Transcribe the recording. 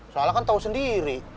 soalnya kan tau sendiri